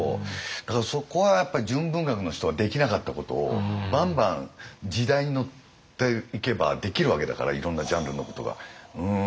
だからそこはやっぱり純文学の人ができなかったことをバンバン時代に乗っていけばできるわけだからいろんなジャンルのことが。